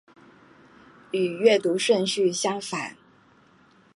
與閱讀順序相反